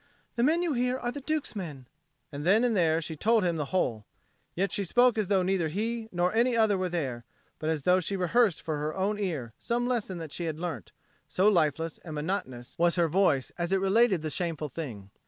"The men you hear are the Duke's men;" and then and there she told him the whole. Yet she spoke as though neither he nor any other were there, but as though she rehearsed for her own ear some lesson that she had learnt; so lifeless and monotonous was her voice as it related the shameful thing.